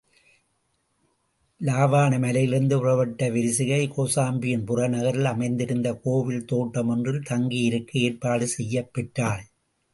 இலாவாண மலையிலிருந்து புறப்பட்ட விரிசிகை, கோசாம்பியின் புறநகரில் அமைந்திருந்த கோவில் தோட்டம் ஒன்றில் தங்கியிருக்க ஏற்பாடு செய்யப் பெற்றாள்.